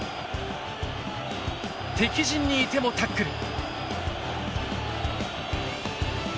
敵陣にいてもタックル。